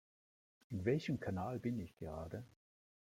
In welchem Kanal bin ich gerade?